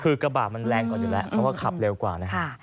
คือกระบะมันแรงกว่านี้แหละเขาก็ขับเร็วกว่า